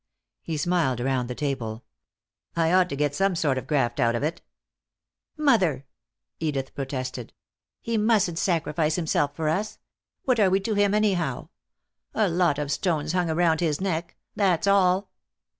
He smiled around the table. "I ought to get some sort of graft out of it." "Mother!" Edith protested. "He mustn't sacrifice himself for us. What are we to him anyhow? A lot of stones hung around his neck. That's all."